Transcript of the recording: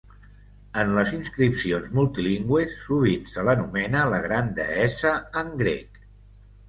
En les inscripcions multilingües, sovint se l'anomena "la gran deessa" en grec.